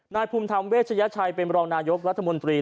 ภูมิธรรมเวชยชัยเป็นรองนายกรัฐมนตรี